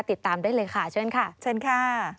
ติดตามได้เลยค่ะเชิญค่ะ